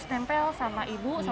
mereka harus siap digusur